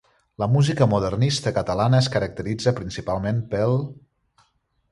La música modernista catalana es caracteritza principalment pel:.